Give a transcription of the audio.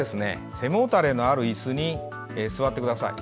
背もたれのあるいすに座ってください。